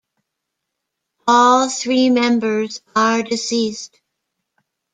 All three members are deceased.